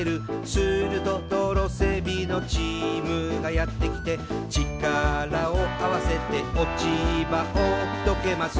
「すると道路整備のチームがやってきて」「ちからをあわせて落ち葉をどけます」